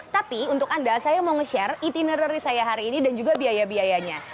tapi untuk anda saya mau nge share intinerary saya hari ini dan juga biaya biayanya